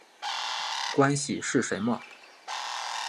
关系是什么？